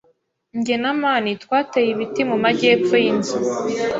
Jye na amani twateye ibiti mu majyepfo yinzu.